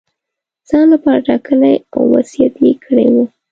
ځان لپاره ټاکلی او وصیت یې کړی وو.